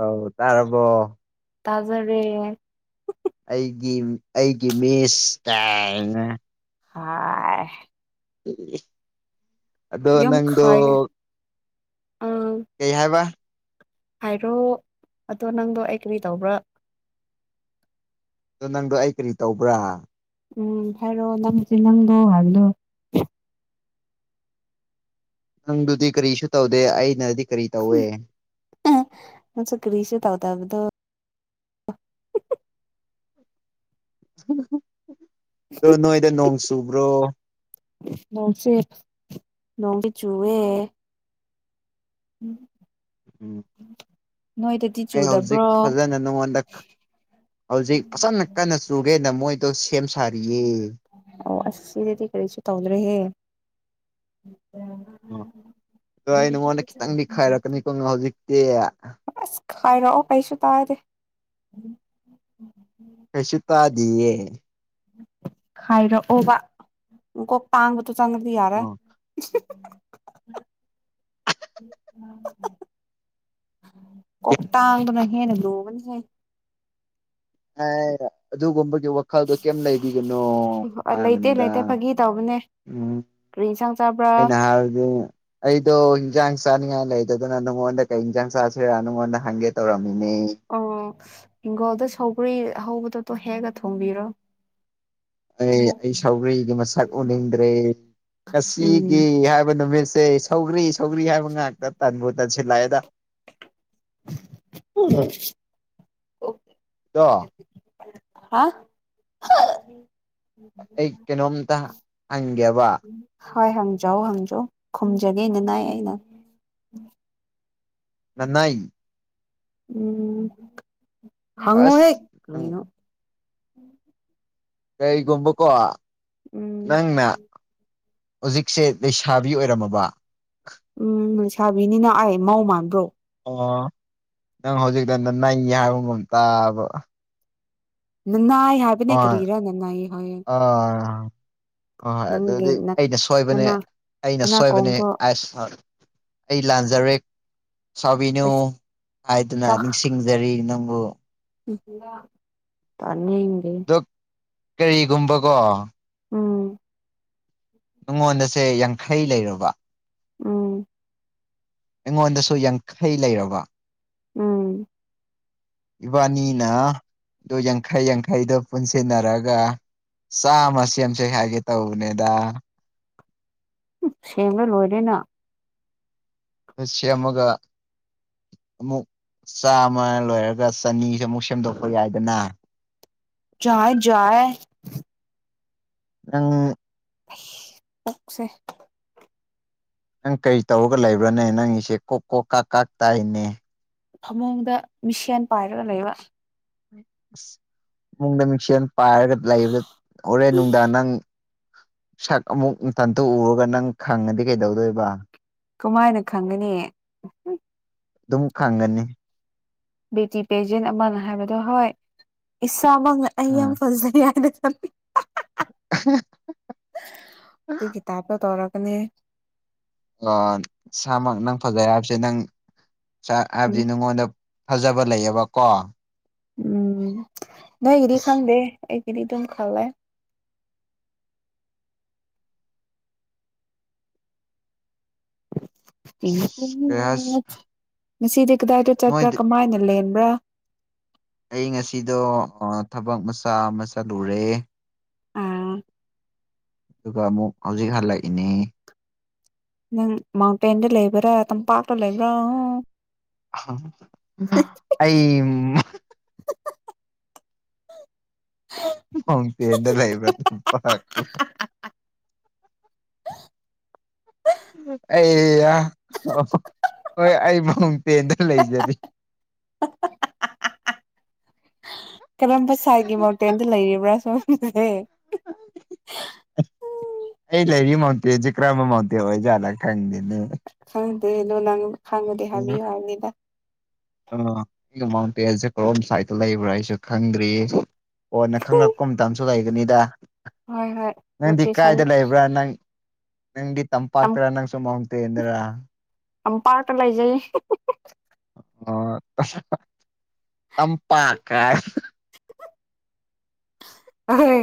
ꯑꯧ ꯇꯥꯔꯕꯣ ꯇꯥꯖꯔꯦ ꯑꯩꯒꯤ ꯑꯩꯒꯤ ꯃꯤꯁ ꯀꯥꯏꯅ ꯍꯥꯏ ꯏ ꯏ ꯑꯗꯣ ꯌꯥꯝ ꯅꯪꯗꯣ ꯈꯥꯏ ꯑꯪ ꯀꯩ ꯍꯥꯏꯕ ꯍꯥꯏꯔꯣ ꯑꯗꯣ ꯅꯪꯗꯣ ꯑꯩ ꯀꯔꯤ ꯇꯧꯕ꯭ꯔꯥ ꯑꯗꯣ ꯅꯪꯗꯣ ꯑꯩ ꯀꯔꯤ ꯇꯧꯕ꯭ꯔꯥ ꯎꯝ ꯍꯥꯏꯔꯣꯑꯣ ꯅꯪꯁꯦ ꯅꯪꯗꯣ ꯍꯥꯏꯕꯗꯣ ꯅꯪꯗꯨꯗꯤ ꯀꯔꯤꯁꯨ ꯇꯧꯗꯦ ꯑꯩꯅꯗꯤ ꯀꯔꯤ ꯇꯧꯏ ꯑ ꯅꯪꯁꯨ ꯀꯔꯤꯁꯨ ꯇꯧꯕꯗꯣ ꯗꯣ ꯅꯣꯏꯗ ꯅꯣꯡ ꯆꯨꯕ꯭ꯔꯣ ꯅꯣꯡꯁꯦ ꯅꯣꯡꯁꯦ ꯆꯨꯋꯦ ꯎꯝ ꯎꯝ ꯅꯣꯏ ꯗꯤꯠ ꯑꯩ ꯍꯧꯖꯤꯛ ꯐꯖꯅ ꯅꯉꯣꯟꯗ ꯍꯧꯖꯤꯛ ꯐꯖꯅ‌ ꯀꯟꯅ ꯀꯟꯅ ꯆꯨꯒꯦꯅ ꯃꯣꯏ ꯇꯣ ꯁꯦꯝ ꯁꯥꯔꯤꯌꯦ ꯑꯣ ꯑꯁꯤꯗꯗꯤ ꯀꯔꯤꯁꯨ ꯇꯧꯗ꯭ꯔꯦꯍꯦ ꯑꯣ ꯑꯗ ꯑꯩ ꯅꯉꯣꯟꯗ ꯈꯤꯇꯪꯗꯤꯈꯥꯏꯔꯛꯀꯅꯤꯀꯣ ꯍꯧꯖꯤꯛꯇꯤ ꯑꯁ ꯈꯥꯏꯔꯛꯑꯣ ꯑꯩꯁꯨ ꯄꯥꯏꯗꯦ ꯑꯩꯁꯨ ꯇꯗꯤꯌꯦ ꯈꯥꯏꯔꯛꯑꯣꯕ ꯃꯀꯣꯛ ꯇꯥꯡꯕꯗꯣ ꯆꯪꯉꯗꯤ ꯌꯥꯔꯦ [unintelligible] ꯀꯇꯥꯡꯗꯨꯅ ꯍꯦꯅ ꯂꯨꯕꯅꯤꯍꯦ ꯑꯩ ꯑꯗꯨ ꯒꯨꯝꯕꯒꯤ ꯋꯥ ꯈꯜꯗꯣ ꯀꯩꯝ ꯂꯩꯕꯤꯒꯅꯣ ꯂꯩꯇꯦ ꯍꯥꯏꯕꯅꯤꯗ ꯂꯩꯇꯦ ꯐꯥꯒꯤ ꯇꯧꯕꯅꯦ ꯎꯝ ꯀꯔꯤ ꯏꯟꯁꯥꯡ ꯆꯥꯕ꯭ꯔꯥ ꯑꯩꯅ ꯍꯥꯏꯔꯗꯤ ꯑꯩꯗꯣ ꯏꯟꯖꯥꯡ ꯆꯥꯅꯤꯡꯉꯥꯏ ꯂꯩꯇꯗꯅ ꯅꯉꯣꯟꯗ ꯀꯩ ꯍꯟꯖꯥꯡ ꯆꯥꯁꯤꯔꯥ ꯅꯉꯣꯟꯗ ꯍꯪꯒꯦ ꯇꯧꯔꯝꯃꯤꯅꯦ ꯑꯣ ꯍꯤꯡꯈꯣꯜꯗ ꯁꯒ꯭ꯔꯤ ꯍꯧꯕꯗꯣꯇꯣ ꯍꯦꯛꯑꯒ ꯊꯣꯡꯕꯤꯔꯣ ꯑꯩ ꯑꯩ ꯁꯥꯎꯒꯔꯤꯒꯤ ꯃꯁꯛ ꯎꯅꯤꯡꯗ꯭ꯔꯦ ꯉꯁꯤꯒꯤ ꯎꯝ ꯍꯥꯏꯕ ꯅꯨꯃꯤꯠꯁꯦ ꯁꯧꯒ꯭ꯔꯤ ꯁꯧꯒ꯭ꯔꯤ ꯍꯥꯏꯕ ꯉꯥꯛꯇ ꯇꯟꯕꯨ ꯇꯟꯁꯤꯜꯂꯛꯑꯦꯗ ꯎꯝꯅ ꯑꯣ ꯗꯣ ꯍꯥ ꯑꯩ ꯀꯩꯅꯣꯝꯇ ꯍꯪꯒꯦꯕ ꯍꯣꯏ ꯍꯪꯖꯧ ꯍꯪꯖꯧ ꯈꯨꯝꯖꯒꯦ ꯅꯅꯥꯏ ꯑꯩꯅ ꯉꯅꯥꯏ ꯎꯝ ꯍꯉꯣꯍꯦ ꯑꯁ ꯎꯝ ꯀꯩꯅꯣ ꯀꯩꯒꯨꯝꯕꯀꯣ ꯎꯝ ꯅꯪꯅ ꯍꯧꯖꯤꯛꯁꯦ ꯂꯩꯁꯥꯕꯤ ꯑꯣꯏꯔꯝꯃꯥꯕ ꯎꯝ ꯂꯩꯁꯥꯕꯤꯅꯤꯅ ꯑꯩ ꯃꯧ ꯃꯥꯟꯕ꯭ꯔꯣ ꯑꯣ ꯅꯪ ꯍꯧꯖꯤꯛꯀꯥꯟꯗ ꯅꯪꯉꯦ ꯍꯥꯏꯕꯒꯨꯝ ꯇꯥꯕ ꯅꯅꯥꯏ ꯍꯥꯏꯕꯅꯦ ꯍꯣꯏ ꯀꯔꯤꯔꯥ ꯅꯅꯥꯏ ꯍꯥꯏ ꯍꯣꯏ ꯍꯣꯏ ꯑꯗꯨꯗꯤ ꯑꯩꯅ ꯁꯣꯏꯕꯅꯦ ꯑꯩꯅ ꯁꯣꯏꯕꯅꯦ ꯅꯅꯥꯀꯣꯡꯗꯣ ꯑꯁ ꯑꯩ ꯂꯥꯟꯖꯔꯦ ꯁꯥꯎꯕꯤꯅꯨ ꯄꯩꯁꯥ ꯍꯥꯏꯗꯨꯅ ꯅꯤꯡꯁꯤꯡ ꯌꯥꯔꯤ ꯅꯪꯕꯨ [unintelligible] ꯇꯥꯅꯤꯡꯗꯦ ꯑꯗꯣ ꯀꯩꯒꯨꯝꯕꯀꯣ ꯎꯝ ꯅꯉꯣꯟꯗꯁꯦ ꯌꯥꯡꯈꯩ ꯂꯩꯔꯕ ꯎꯝ ꯑꯩꯉꯣꯟꯗꯁꯨ ꯌꯥꯡꯈꯩ ꯂꯩꯔꯕ ꯎꯝ ꯏꯕꯥꯅꯤꯅ ꯑꯗꯨ ꯌꯥꯡꯈꯩ ꯌꯥꯡꯈꯩꯗꯣ ꯄꯨꯟꯁꯤꯟꯅꯔꯒ ꯆꯥꯃꯥ ꯁꯦꯝꯁꯦ ꯍꯥꯏꯒꯦ ꯇꯧꯕꯅꯦꯗꯥ ꯁꯦꯝꯔꯥ ꯂꯣꯏꯔꯦꯅ ꯗꯨ ꯁꯦꯝꯃꯒꯥ ꯑꯃꯨꯛ ꯆꯥꯃꯥ ꯂꯣꯏꯔꯒ ꯆꯅꯤꯁꯦ ꯑꯃꯨꯛ ꯁꯦꯝꯗꯣꯛꯄ ꯌꯥꯏꯗꯅ ꯆꯥꯏ ꯖꯥꯏꯌꯦ ꯅꯪ [inaudible] ꯑꯣꯛꯁꯦ ꯅꯪ ꯀꯔꯤ ꯇꯧꯔꯒ ꯂꯩꯕ꯭ꯔꯥꯅꯦ ꯅꯪꯒꯤꯁꯦ ꯀꯣꯛ ꯀꯣꯛ ꯀꯥꯛ ꯀꯥꯛ ꯇꯥꯏꯅꯦ ꯐꯥꯃꯨꯡꯗ ꯃꯤꯁꯦꯟ ꯄꯥꯏꯔꯒ ꯂꯩꯕ ꯑꯁ ꯐꯃꯨꯡꯗ ꯃꯤꯛꯁꯦꯟ ꯄꯥꯏꯔꯒ ꯂꯩꯕꯗ ꯍꯣꯔꯦꯟ ꯅꯨꯡꯗꯥꯡ ꯅꯪ ꯁꯛ ꯑꯃꯨꯛ ꯎꯇꯟꯇꯥ ꯎꯔꯒ ꯅꯪ ꯈꯪꯉꯗꯤ ꯀꯩꯗꯧꯗꯣꯏꯕ ꯀꯃꯥꯏꯅ ꯈꯪꯒꯅꯤ ꯗꯨꯝ ꯈꯪꯒꯅꯤ ꯕꯦꯇꯤ ꯄꯦꯖꯦꯟ ꯑꯃꯅ ꯍꯥꯏꯕꯗꯣ ꯍꯣꯏ ꯏꯁꯥꯃꯛꯅ ꯑꯩ ꯌꯥꯝ ꯎꯝ ꯐꯖꯩ ꯍꯥꯏꯅ ꯈꯟ ꯑꯗꯨꯒꯤ ꯇꯥꯏꯞꯇꯥ ꯇꯧꯔꯛꯀꯥꯅꯤ ꯑꯣ ꯁꯥꯃꯛ ꯅꯪ ꯐꯖꯩ ꯍꯥꯏꯕꯁꯦ ꯅꯪ ꯆꯥ ꯎꯝ ꯍꯥꯏꯕꯗꯤ ꯅꯉꯣꯟꯗꯥ ꯐꯖꯕ ꯂꯩꯌꯦꯕ ꯀꯣ ꯎꯝ ꯅꯣꯏꯒꯤꯗꯤ ꯑꯁ ꯈꯪꯗꯦ ꯑꯩꯒꯤꯗꯤ ꯑꯗꯨꯝ ꯈꯜꯂꯦ [unintelligible] ꯑꯁ ꯀꯩ ꯍꯥꯏꯁ ꯉꯁꯤꯗꯤ ꯀꯗꯥꯏꯗ ꯆꯠꯄ꯭ꯔꯥ ꯅꯣꯏꯗꯤ ꯀꯃꯥꯏꯅ ꯂꯦꯟꯕ꯭ꯔꯥ ꯑꯩ ꯉꯁꯤꯗꯣ ꯑꯥ ꯊꯕꯛ ꯃꯆꯥ ꯑꯃ ꯆꯠꯂꯨꯔꯦ ꯑꯥꯝ ꯗꯨꯒ ꯑꯃꯨꯛ ꯍꯧꯖꯤꯛ ꯍꯜꯂꯛꯏꯅꯦ ꯅꯪ ꯃꯥꯎꯟꯇꯦꯟꯗ ꯂꯩꯕ꯭ꯔꯥ ꯇꯝꯄꯥꯛꯇꯥ ꯂꯩꯕ꯭ꯔꯥ [unintelligible] ꯑꯩꯝ [unintelligible] ꯃꯥꯎꯟꯇꯦꯟꯗꯥ ꯂꯩꯕ꯭ꯔꯥ ꯇꯝꯄꯥꯛ ꯑꯩ ꯌꯥ ꯍꯣꯏ ꯑꯩ ꯃꯥꯎꯟꯇꯦꯟꯗ ꯂꯩꯖꯥꯔꯤ ꯀꯔꯝꯕ ꯁꯥꯏꯒꯤ ꯃꯥꯎꯟꯇꯦꯟꯗ ꯂꯩꯔꯤꯕ꯭ꯔꯥ ꯁꯣꯝꯁꯦ ꯑꯩ ꯂꯩꯔꯤ ꯃꯥꯎꯟꯇꯦꯟꯖꯦ ꯀꯔꯝꯕ ꯃꯥꯎꯟꯇꯦꯟ ꯑꯣꯏꯖꯥꯠꯂꯥ ꯈꯪꯗꯦꯅꯦ ꯈꯪꯗꯦꯗꯣ ꯅꯪ ꯈꯪꯉꯗꯤ ꯎꯝ ꯍꯥꯏꯕꯤꯌꯨ ꯍꯥꯏꯕꯅꯤꯗ꯫ ꯑ ꯑꯩ ꯃꯥꯎꯟꯇꯦꯟꯁꯦ ꯀꯔꯣꯝ ꯁꯥꯏꯗꯠꯇ ꯂꯩꯕ꯭ꯔꯥ ꯑꯩꯁꯨ ꯈꯪꯗ꯭ꯔꯤ꯫ ꯀꯣꯟꯅ ꯍꯣꯏ ꯈꯪꯉꯛꯄ ꯃꯇꯝꯁꯨ ꯂꯩꯒꯅꯤꯗ꯫ ꯍꯣꯏ ꯅꯪꯗꯤ ꯂꯣꯀꯦꯁꯟ ꯀꯥꯏꯗ ꯂꯩꯕ꯭ꯔꯥ ꯅꯪ ꯅꯪꯗꯤ ꯇꯝ ꯇꯝꯄꯥꯛꯇꯔꯥ ꯅꯪꯁꯨ ꯃꯥꯎꯟꯇꯦꯟꯗꯔꯥ꯫ ꯇꯝꯄꯥꯛ ꯇ ꯂꯩꯖꯩ ꯑꯣ ꯑꯁ ꯇꯝꯄꯥꯛ ꯀꯥꯢ ꯑꯍꯣꯏ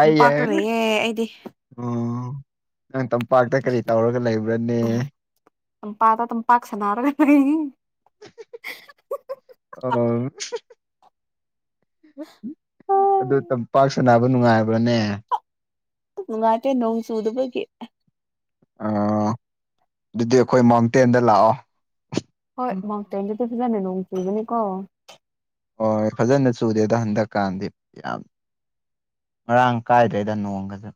ꯇꯝꯄꯥꯛꯇ ꯂꯩꯌꯦ ꯑꯩꯗꯤ ꯅꯪ ꯇꯝꯄꯥꯛꯇ ꯀꯔꯤ ꯇꯧꯔꯒ ꯂꯩꯕ꯭ꯔꯅꯦ꯫ ꯇꯝꯄꯥꯛꯇ ꯗꯨꯝ ꯄꯥꯛ ꯁꯥꯅꯔꯒ ꯂꯩ꯫ ꯑꯣ ꯑꯗꯨ ꯇꯝꯄꯥꯛ ꯁꯥꯅꯕ ꯅꯨꯡꯉꯥꯏꯕ꯭ꯔꯥꯅꯦ꯫ ꯅꯨꯉꯥꯢꯇꯦ ꯅꯣꯡ ꯆꯨꯗꯕꯒꯤ꯫ ꯑꯣ ꯑꯗꯨꯗꯤ ꯑꯩꯈꯣꯏ ꯃꯥꯎꯟꯇꯦꯟꯗ ꯂꯥꯛꯑꯣ꯫ ꯍꯣꯏ ꯃꯥꯎꯟꯇꯦꯟꯗꯗꯤ ꯐꯖꯅ ꯅꯣꯡ ꯆꯨꯕꯅꯤꯀꯣ꯫ ꯍꯣꯏ ꯐꯖꯅ ꯆꯨꯗꯦꯗ ꯍꯟꯗꯛꯀꯥꯟꯗꯤ ꯌꯥꯝ ꯃꯔꯥꯡ ꯀꯥꯏꯗ꯭ꯔꯦꯗ ꯅꯣꯡꯒꯁꯨ꯫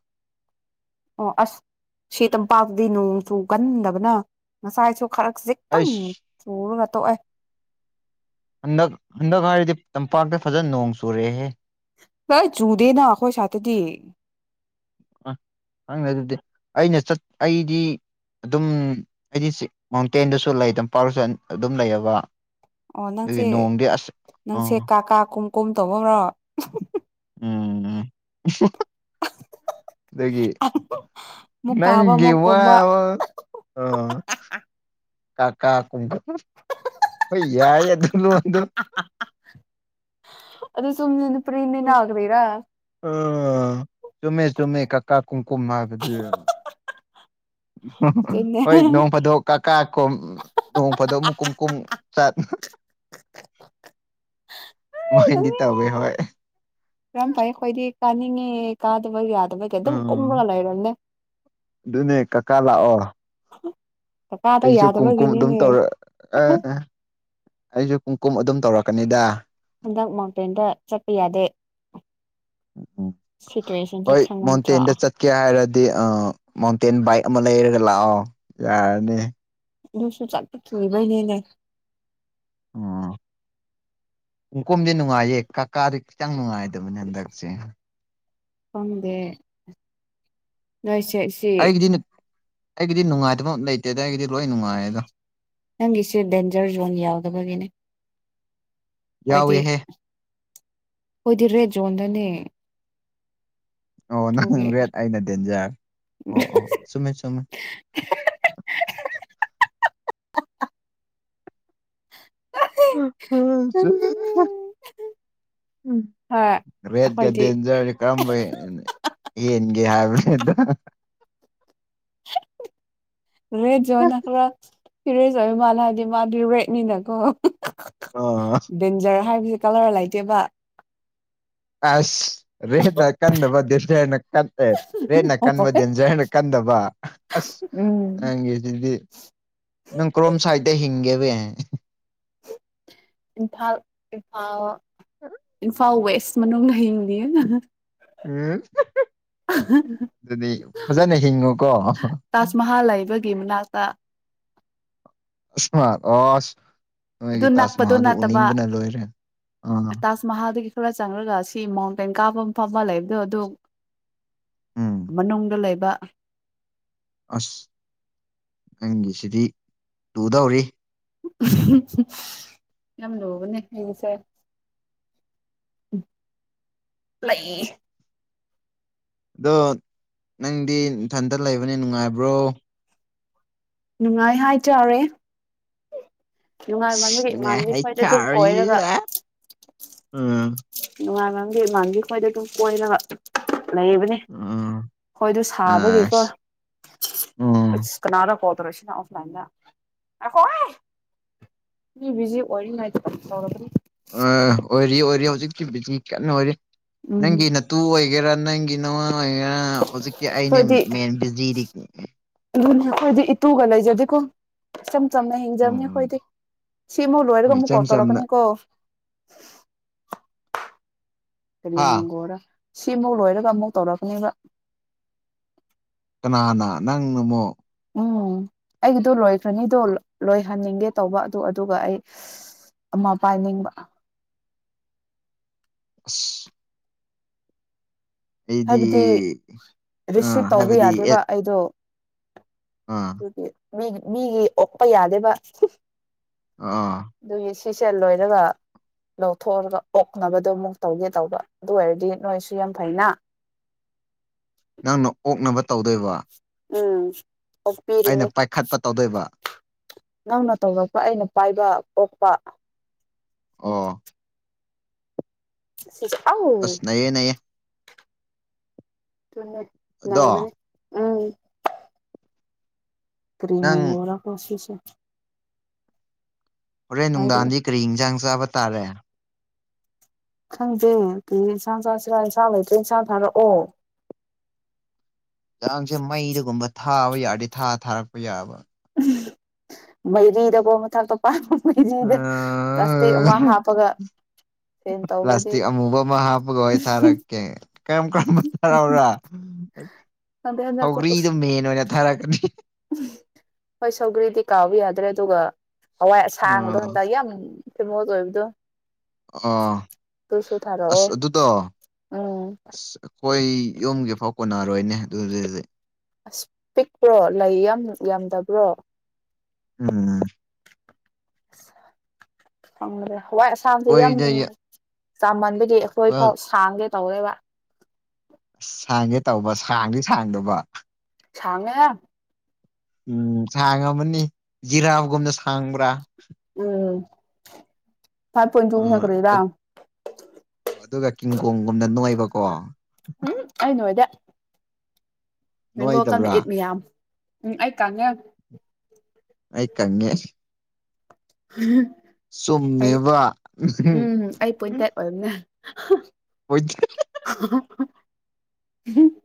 ꯑꯣ ꯑꯁ ꯁꯤ ꯇꯝꯄꯥꯛꯇꯗꯤ ꯅꯣꯡ ꯆꯨ ꯀꯟꯗꯕꯅ ꯉꯁꯥꯏꯁꯨ ꯈꯔꯖꯤꯛ ꯇꯪ ꯑꯩꯁ ꯆꯨꯔꯒ ꯇꯣꯛꯑꯦ꯫ ꯍꯟꯗꯛ ꯍꯟꯗꯛ ꯍꯥꯏꯔꯗꯤ ꯇꯝꯄꯥꯛꯇ ꯐꯖꯅ ꯅꯣꯡ ꯆꯨꯔꯦꯍꯦ꯫ ꯍꯥꯢꯠ ꯆꯨꯗꯦꯅ ꯑꯩꯈꯣꯏ ꯁꯥꯏ꯭ꯠꯇꯗꯤ꯫ ꯑ ꯍꯪꯗꯦ ꯑꯗꯨꯗꯤ ꯑꯩꯅ ꯆꯠ ꯑꯩꯗꯤ ꯑꯗꯨꯝ ꯍꯥꯏꯗꯤ ꯆꯤꯛ ꯃꯥꯎꯟꯇꯦꯟꯗꯁꯨ ꯂꯩ ꯇꯝꯄꯥꯛ ꯁꯨ ꯑꯗꯨꯝ ꯂꯩꯑꯕ꯫ ꯑꯣ ꯅꯪꯁꯦ ꯅꯪꯁꯦ ꯑꯣ ꯀꯥ ꯀꯥ ꯀꯨꯝ ꯀꯨꯝ ꯇꯧꯕꯔꯣ꯫ ꯎꯝ ꯎꯝ ꯑꯗꯨꯒꯤ [unintelligible] ꯅꯪꯒꯤ ꯑꯃꯨꯛ ꯀꯨꯝꯕ ꯋꯥꯕꯨ ꯑ ꯀꯥ ꯀꯥ ꯀꯨꯝꯕ ꯍꯣꯏ ꯌꯥꯏ [unintelligible] ꯑꯗꯨꯁꯨ ꯃꯅꯤꯄꯨꯔꯤ ꯅꯦꯅ ꯀꯔꯤꯔ ꯑꯣ ꯆꯨꯝꯃꯦ ꯆꯨꯝꯃꯦ ꯀꯀꯥ ꯀꯨꯨꯝꯀꯨꯨꯝ ꯍꯥꯏꯕꯗꯤ ꯑꯗꯨꯅꯦ ꯍꯣꯏ ꯅꯣꯡ ꯐꯥꯗꯣꯛ ꯀꯀꯥ ꯀꯣ ꯅꯣꯡ ꯐꯥꯗꯣꯛ ꯑꯃꯨꯛ ꯀꯨꯝ ꯀꯨꯝ ꯆꯠ [unintelligible] ꯐꯤꯡꯒꯤ ꯇꯧꯋꯦ ꯍꯣꯏ [inaudible] ꯌꯥꯝ ꯐꯩ ꯑꯩꯈꯣꯏꯗꯤ ꯀꯥꯅꯤꯡꯉꯦ ꯀꯥꯗꯕ ꯌꯥꯗꯕꯒꯤ ꯑꯗꯨꯝ ꯎꯝ ꯀꯨꯝꯃꯒ ꯂꯩꯔꯝꯅꯦ ꯑꯗꯨꯅꯦ ꯀꯀꯥ ꯂꯥꯛꯑꯣ [unintelligible] ꯀꯀꯥꯗꯣ ꯑꯩꯁꯨ ꯀꯨꯝ ꯀꯨꯝ ꯑꯗꯨꯝ ꯌꯥꯗꯕꯒꯤꯅꯤꯅꯦ ꯇꯧꯔ ꯑꯩꯁꯨ ꯀꯨꯝ ꯀꯨꯝ ꯑꯗꯨꯝ ꯇꯧꯔꯛꯀꯅꯤꯗ ꯍꯟꯗꯛ ꯃꯥꯎꯟꯇꯦꯟꯗ ꯆꯠꯄ ꯌꯥꯗꯦ ꯁꯤꯇꯨꯋꯦꯁꯟꯁꯦ ꯍꯣꯏ ꯈꯪꯗ꯭ꯔꯣ ꯃꯥꯎꯟꯇꯦꯟꯗ ꯆꯠꯀꯦ ꯍꯥꯏꯔꯗꯤ ꯑ ꯃꯥꯎꯟꯇꯦꯟ ꯕꯥꯏꯛ ꯑꯃ ꯂꯩꯔꯒ ꯂꯥꯛꯑꯣ ꯌꯥꯔꯅꯤ ꯑꯗꯨꯁꯨ ꯆꯠꯄ ꯀꯤꯕꯩꯅꯤꯅꯦ ꯑꯣ [inaudible] ꯀꯨꯝꯀꯨꯝꯗꯤ ꯅꯨꯡꯉꯥꯏꯌꯦ ꯀꯀꯥꯗꯤ ꯈꯤꯇꯪ ꯅꯨꯡꯉꯥꯏꯗꯕꯅꯦ ꯍꯟꯗꯛꯁꯦ ꯈꯪꯗꯦ ꯅꯣꯏꯁꯦ ꯁꯤ ꯑꯩꯒꯤꯗꯤ ꯑꯩꯒꯤꯗꯤ ꯅꯨꯡꯉꯥꯏꯇꯕ ꯂꯩꯇꯦꯗ ꯑꯩꯒꯤꯗꯤ ꯂꯣꯏ ꯅꯨꯡꯉꯥꯏꯌꯦꯗ ꯅꯪꯒꯤꯁꯦ ꯗꯦꯟꯖꯔ ꯖꯣꯟ ꯌꯥꯎꯗꯕꯒꯤꯅꯦ ꯈꯣꯏꯗꯤ ꯌꯥꯎꯋꯦꯍꯦ ꯑꯣꯏꯗꯤꯔꯦꯠ ꯖꯣꯟꯗꯅꯦ ꯑꯣ ꯅꯪ ꯑꯗꯨꯒꯤ ꯔꯦꯠ ꯑꯩꯅ ꯗꯦꯟꯖꯔ ꯑꯣ ꯑꯣ ꯆꯨꯝꯃꯦ ꯆꯨꯝꯃꯦ [unintelligible] ꯍꯣꯏ ꯔꯦꯠꯒ ꯑꯩꯈꯣꯏꯗꯤ ꯗꯦꯟꯖꯔ ꯀꯔꯝꯕ ꯍꯦꯟꯒꯦ ꯍꯥꯏꯕꯅꯤꯗ ꯔꯦꯠ ꯖꯣꯟꯅꯈ꯭ꯔꯥ ꯁꯤꯔꯦꯖ ꯑꯣꯏꯕ ꯃꯥꯜꯂꯦ ꯍꯥꯏꯗꯤ ꯃꯥꯗꯤ ꯔꯦꯠꯅꯤꯅꯀꯣ ꯑꯣ ꯗꯦꯟꯖꯔ ꯍꯥꯏꯕꯖꯤ ꯀꯥꯂꯔ ꯂꯩꯇꯦꯕꯥ ꯑꯁ ꯔꯦꯠꯅ ꯀꯟꯗꯕ ꯗꯦꯟꯖꯔꯅ ꯀꯟ ꯑꯦ ꯔꯦꯠꯅ ꯀꯥꯟꯕ ꯗꯦꯟꯖꯔꯅ ꯀꯦꯟꯗꯕ ꯑꯁ ꯎꯝ ꯅꯪꯒꯤꯖꯤꯗꯤ ꯅꯪ ꯀ꯭ꯔꯣꯝ ꯁꯥꯏꯠꯇ ꯍꯤꯡꯒꯦꯕꯦ ꯏꯝꯐꯥꯜ ꯏꯝꯐꯥꯜ ꯏꯝꯐꯥꯜ ꯋꯦꯁ ꯃꯅꯨꯡꯗ ꯍꯤꯡꯂꯤꯌꯦ ꯎꯝ ꯑꯗꯨꯗꯤ ꯐꯖꯅ ꯍꯤꯡꯉꯨꯀꯣ ꯇꯥꯖ ꯃꯍꯜ ꯂꯩꯕꯒꯤ ꯃꯅꯥꯛꯇ ꯏꯁꯃꯥ ꯑꯁ ꯑꯗꯨ ꯅꯣꯏꯒꯤ ꯅꯛꯄꯗꯣ ꯇꯥꯖꯃꯥꯍꯜꯗꯣ ꯎꯅꯤꯡꯕꯅ ꯂꯣꯏꯔꯦ ꯑꯥ ꯃꯍꯥꯜꯗꯒꯤ ꯈꯔ ꯆꯪꯔꯒ ꯁꯤ ꯃꯥꯎꯟꯇꯦꯟ ꯀꯥꯕ ꯃꯥꯐꯝ ꯑꯃ ꯂꯩꯕꯗꯣ ꯑꯗꯨ ꯎꯝ ꯃꯅꯨꯡꯗ ꯂꯩꯕ ꯑꯁ ꯑꯩꯒꯤꯁꯤꯗꯤ ꯂꯨꯗꯧꯔꯤ ꯌꯥꯝ ꯂꯨꯕꯅꯦ ꯑꯩꯒꯤꯁꯦ ꯂꯩ ꯑꯗꯣ ꯅꯪꯗꯤ ꯅꯊꯟꯇ ꯂꯩꯕꯅꯤ ꯅꯨꯡꯉꯥꯏꯕ꯭ꯔꯣ ꯅꯨꯡꯉꯥꯏ ꯍꯥꯏꯇꯥꯔꯦ ꯅꯨꯡꯉꯥꯏꯃꯟꯕꯒꯤ ꯅꯨꯡꯉꯥꯏ ꯏꯃꯥꯟꯕꯤ ꯈꯣꯏꯗ ꯑꯗꯨꯝ ꯀꯣꯏꯔꯒ ꯍꯥꯏꯇꯔꯦ ꯎꯝ ꯅꯨꯡꯉꯥꯏꯃꯟꯕꯩ ꯏꯃꯥꯟꯕꯤ ꯈꯣꯏꯗ ꯑꯗꯨꯝ ꯀꯣꯏꯔꯒ ꯂꯩꯕꯅꯦ ꯈꯣꯏꯗꯣ ꯁꯥꯕꯒꯤꯀꯣ ꯑꯁ ꯀꯅꯥꯔ ꯀꯣꯜ ꯇꯧꯔꯛꯏꯁꯤꯅ ꯑꯣꯐꯂꯥꯏꯟꯗ ꯉꯥꯏꯈꯣꯍꯦ ꯃꯤ ꯕꯤꯖꯤ ꯑꯣꯏꯔꯤꯉꯩꯗ ꯇꯧꯔꯛꯀꯅꯤ ꯑꯥ ꯑꯣꯏꯔꯤ ꯑꯣꯏꯔꯤ ꯍꯧꯖꯤꯛꯇꯤ ꯕꯤꯖꯤ ꯀꯥꯟꯅ ꯑꯣꯏꯔꯤ ꯎꯝ ꯅꯪꯒꯤ ꯇꯨ ꯑꯣꯏꯒꯦꯔꯥ ꯅꯪꯒꯤ ꯅꯋꯥ ꯑꯣꯏꯒꯦꯔꯥ ꯍꯧꯖꯤꯛꯇꯤ ꯑꯩꯅꯦ ꯑꯩꯈꯣꯏꯗꯤ ꯃꯦꯟ ꯕꯤꯖꯤꯗꯤ ꯑꯗꯨꯅꯦ ꯑꯈꯣꯏꯗꯤ ꯏꯇꯨꯒ ꯂꯩꯖꯗꯦꯀꯣ ꯏꯆꯝ ꯆꯝꯅ ꯍꯤꯡꯖꯕꯅꯤ ꯑꯈꯣꯏꯗꯤ ꯁꯤꯃꯨꯛ ꯂꯣꯏꯔꯒ ꯍꯣꯏ ꯑꯃꯨꯛ ꯏꯆꯝ ꯀꯣꯜ ꯆꯝꯅ ꯇꯧꯔꯛꯀꯅꯤ ꯀꯣ ꯀꯔꯤ ꯍꯥ ꯃꯦꯡꯒꯣꯔ ꯁꯤꯃꯨꯛ ꯂꯣꯏꯔꯒ ꯑꯃꯨꯛ ꯇꯧꯔꯛꯀꯅꯤꯕ ꯀꯅꯥꯅ ꯅꯪꯅ ꯃꯨꯛ ꯎꯝ ꯑꯩꯒꯤꯗꯣ ꯂꯣꯏꯈ꯭ꯔꯅꯤꯗꯣ ꯂꯣꯏꯍꯟꯅꯤꯡꯒꯦ ꯇꯧꯕ ꯑꯗꯨ ꯑꯗꯨꯒ ꯑꯩ ꯑꯃ ꯄꯥꯏꯅꯤꯡꯕ [unintelligible] ꯑꯩꯗꯤ ꯍꯥꯏꯕꯗꯤ ꯑꯥ ꯔꯤꯁꯤꯞ ꯇꯧꯕ ꯍꯥꯏꯕꯗꯤ ꯑꯦ ꯌꯥꯗꯦꯕ ꯑꯩꯗꯣ ꯑꯥ ꯑꯗꯨꯒꯤ ꯃꯤꯒꯤ ꯃꯤꯒꯤ ꯑꯣꯛꯄ ꯌꯥꯗꯦꯕ ꯑꯥ ꯑꯗꯨꯒꯤ ꯁꯤꯁꯦ ꯂꯣꯏꯔꯒ ꯂꯧꯊꯣꯛꯔꯒ ꯑꯣꯛꯅꯕꯗꯣ ꯑꯃꯨꯛ ꯇꯧꯒꯦ ꯇꯧꯕ ꯑꯗꯨ ꯑꯣꯏꯔꯗꯤ ꯅꯣꯏꯁꯨ ꯌꯥꯝ ꯐꯩꯅ ꯅꯪꯅ ꯑꯣꯛꯅꯕ ꯇꯧꯗꯣꯏꯕ ꯎꯝ ꯑꯣꯛꯄꯤꯒꯦ ꯑꯩꯅ ꯄꯥꯏꯈꯠꯄ ꯇꯧꯗꯣꯏꯕ ꯅꯪꯅ ꯇꯧꯔꯛꯄ ꯑꯩꯅ ꯄꯥꯏꯕ ꯑꯣꯛꯄ ꯑꯣ ꯑꯁ [unintelligible] ꯅꯩꯌꯦ ꯅꯩꯌꯦ ꯑꯗꯣ ꯂꯩꯕꯅꯤ ꯀ꯭ꯔꯤ ꯅꯪ ꯃꯦꯃꯣꯔꯥ ꯀꯣ ꯁꯤꯁꯦ ꯍꯣꯔꯦꯟ ꯍꯥꯏꯔꯛꯑꯣ ꯅꯨꯡꯗꯥꯡꯗꯤ ꯀꯔꯤ ꯏꯟꯖꯥꯡ ꯆꯥꯕ ꯇꯥꯔꯦ ꯈꯪꯗꯦ ꯀꯔꯤ ꯏꯟꯁꯥꯡ ꯆꯥꯁꯤꯔꯥ ꯁꯥ ꯂꯩꯇ꯭ꯔꯦ ꯁꯥ ꯊꯥꯔꯛꯑꯣ ꯏꯟꯁꯥꯡ ꯁꯦ ꯃꯩꯗꯒꯨꯝꯕ ꯊꯥꯕ ꯌꯥꯔꯗꯤ ꯊꯥ ꯊꯥꯔꯛꯄ ꯌꯥꯕ ꯃꯩꯔꯤꯗꯕꯣ ꯃꯊꯥꯛꯇ [unintelligible] ꯄ꯭ꯂꯥꯁꯇꯤꯛ ꯑꯃ ꯍꯥꯞꯄꯒ ꯁꯦꯟ ꯇꯧꯕꯗꯤ ꯄ꯭ꯂꯥꯁꯇꯤꯛ ꯑꯃꯃꯨꯕ ꯑꯃ ꯍꯥꯞꯄꯒ ꯑꯣꯏ ꯊꯥꯔꯛꯀꯦ ꯀꯔꯝ ꯀꯔꯝꯕ ꯊꯥꯔꯛꯎꯔ ꯈꯪꯗꯦ ꯍꯟꯗꯛꯇꯤ ꯁꯧꯒ꯭ꯔꯤꯗꯣ ꯎꯁ ꯃꯦꯟ ꯑꯣꯏꯅ ꯊꯥꯔꯛꯀꯅꯤ ꯍꯣꯏ ꯁꯧꯒ꯭ꯔꯤꯗꯤ ꯀꯥꯎꯕ ꯌꯥꯗ꯭ꯔꯦ ꯑꯗꯨꯒ ꯍꯋꯥꯏ ꯑꯁꯥꯡꯕꯗꯣ ꯑꯥ ꯍꯟꯗꯛ ꯌꯥꯝ ꯊꯤꯃꯣꯁ ꯑꯣꯏꯕꯗꯣ ꯑꯥ ꯑꯗꯨꯁꯨ ꯊꯥꯔꯛꯑꯣ ꯑꯁ ꯑꯗꯨꯗꯣ ꯎꯝ ꯍꯣꯏ ꯌꯨꯝꯒꯤ ꯐꯥꯎ ꯀꯣꯟꯅꯔꯣꯏꯅꯦ [unintelligible] ꯑꯁ ꯄꯤꯛꯄ꯭ꯔꯣ ꯂꯩ ꯌꯥꯝ ꯌꯥꯝꯗꯕ꯭ꯔꯣ ꯎꯝ [unintelligible] ꯍꯋꯥꯏ ꯑꯁꯥꯡꯕꯁꯦ ꯌꯥꯝ ꯑꯩꯈꯣꯏꯗ ꯆꯥꯃꯟꯕꯒꯤ ꯑꯩꯈꯣꯏꯐꯥꯎ ꯈꯡꯒꯦ ꯇꯧꯋꯦꯕꯥ ꯑꯁ ꯁꯥꯡꯒꯦ ꯇꯧꯕ ꯁꯥꯡꯗꯤ ꯁꯥꯡꯗꯕ ꯁꯥꯡꯉꯦ ꯎꯝ ꯁꯥꯡꯉꯕꯅꯤ ꯖꯤꯔꯥꯒꯨꯝꯅ ꯁꯥꯡꯕ꯭ꯔꯥ ꯎꯝ ꯐꯥꯏꯚ ꯄꯣꯏꯟ ꯑ ꯇꯨꯅ ꯀꯔꯤꯔꯥ ꯑꯠ ꯑꯗꯨꯒ ꯀꯤꯡꯀꯣꯡꯒꯨꯝꯅ ꯅꯣꯏꯕꯀꯣ ꯎꯝ ꯑꯩꯅꯣꯏꯗꯦ ꯃꯦꯡꯒꯣꯀꯝ ꯅꯣꯏꯗꯕ꯭ꯔꯥ ꯏꯠ ꯃꯌꯥꯝ ꯎꯝ ꯑꯩ ꯀꯪꯉꯦ ꯑꯩ ꯀꯪꯉꯦ ꯑꯩ ꯆꯨꯝꯃꯦꯕ ꯎꯝ ꯑꯩ ꯄꯣꯏꯟꯇꯦꯛ ꯑꯣꯏꯕꯅꯦ [unintelligible] [unintelligible] ꯍꯨꯝ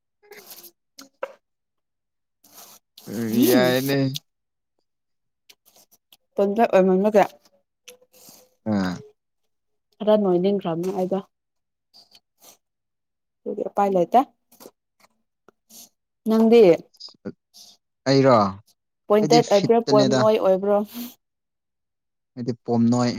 [unintelligible] ꯎꯝ ꯔꯤꯌꯥꯏꯅꯦ ꯇꯣꯟꯗ ꯑꯣꯏꯃꯝꯕꯒꯦ ꯉꯥ ꯈꯔ ꯅꯣꯏꯅꯤꯡꯈ꯭ꯔꯝꯅꯤ ꯑꯩꯗꯣ ꯗꯨꯒꯤ ꯎꯄꯥꯏ ꯂꯩꯇꯦ ꯅꯪꯗꯤ ꯑꯩꯔꯣ ꯑꯩꯗꯤ ꯄꯣꯏꯟꯇꯦꯠ ꯑꯣꯏꯕ꯭ꯔꯥ ꯄꯣꯏꯝ ꯐꯤꯠꯇꯅꯦꯗ ꯅꯣꯏ ꯑꯣꯏꯕ꯭ꯔꯣ ꯑꯩꯗꯤ ꯄꯣꯝꯅꯣꯏ